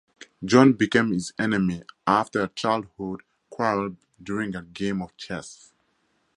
John became his enemy after a childhood quarrel during a game of chess.